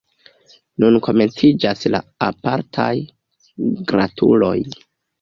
Nun komenciĝas la apartaj gratuloj.